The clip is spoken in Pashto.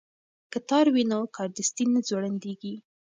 که تار وي نو کارډستي نه ځوړندیږي.